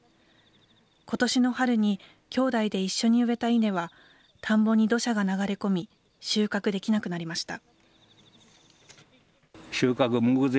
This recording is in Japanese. ことしの春に兄弟で一緒に植えた稲は、田んぼに土砂が流れ込み、収穫できなくなりました。